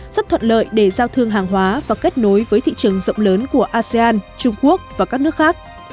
rất thuận lợi để giao thương hàng hóa và kết nối với thị trường rộng lớn của asean trung quốc và các nước khác